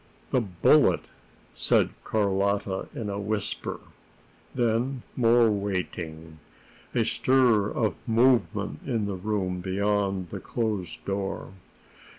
"The bullet!" said Carlotta in a whisper. Then more waiting, a stir of movement in the room beyond the closed door.